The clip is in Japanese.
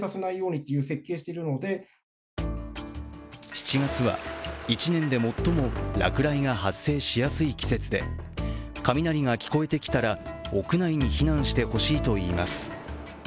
７月は一年で最も落雷が発生しやすい季節で雷が聞こえてきたら屋内に避難してほしいといいます。